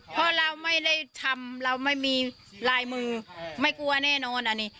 เพราะเราไม่ได้ทำเราไม่มีลายมือไม่กลัวแน่นอนอันนี้